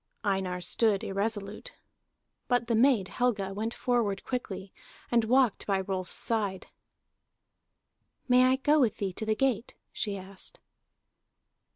Einar stood irresolute. But the maid Helga went forward quickly and walked by Rolf's side. "May I go with thee to the gate?" she asked.